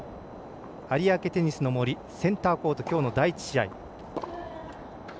有明テニスの森、センターコートきょうの第１試合。